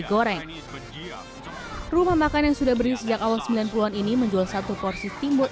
goreng rumah makan yang sudah beri sejak awal sembilan puluh an ini menjual satu porsi teamwork